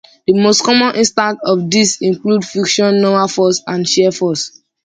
The most common instances of this include friction, normal force and shear force.